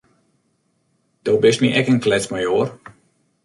Do bist my ek in kletsmajoar.